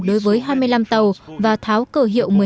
đối với hai mươi năm tàu và tháo cờ hiệu